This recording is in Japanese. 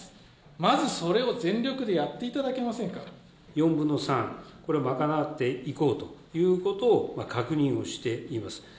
まずそれを全力でやっていただけ４分の３、これを賄っていこうということを確認をしています。